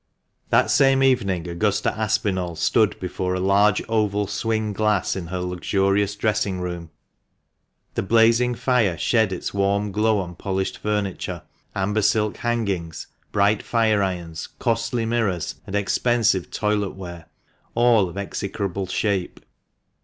That same evening Augusta Aspinall stood before a large oval swing glass in her luxurious dressing room, the blazing fire shed its warm glow on polished furniture, amber silk hangings, bright fireirons, costly mirrors, and expensive toilet ware (of execrable shape).